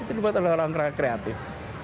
itu dibuat oleh orang kreatif